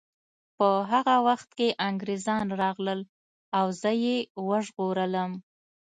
په هغه وخت کې انګریزان راغلل او زه یې وژغورلم